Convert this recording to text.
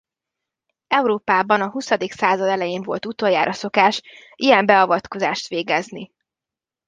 Európában a huszadik század elején volt utoljára szokás ilyen beavatkozást végezni.